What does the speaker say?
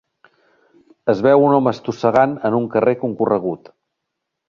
Es veu un home estossegant en un carrer concorregut.